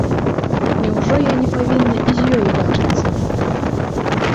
Няўжо я не павінна і з ёю бачыцца?